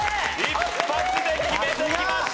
一発で決めてきました！